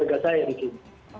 jadi keluarga saya yang bikin